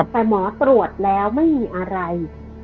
แต่หมอตรวจแล้วไม่มีอะไร